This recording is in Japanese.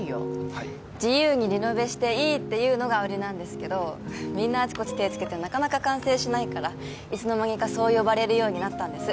はい自由にリノベしていいっていうのが売りなんですけどみんなあちこち手つけてなかなか完成しないからいつの間にかそう呼ばれるようになったんです